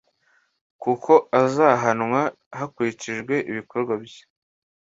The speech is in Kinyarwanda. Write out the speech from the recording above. kuko azahanwa hakurikijwe ibikorwa bye.»